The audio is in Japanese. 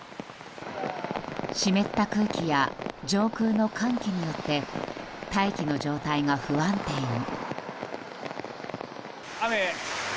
湿った空気や上空の寒気によって大気の状態が不安定に。